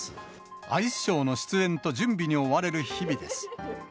アイスショーの出演と準備に追われる日々です。